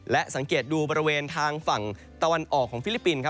และสังเกตดูบริเวณทางฝั่งตะวันออกของฟิลิปปินส์ครับ